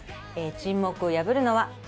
沈黙を破るのは警察か？